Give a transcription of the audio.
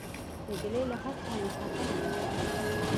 نجلۍ له هر چا مهربانه ده.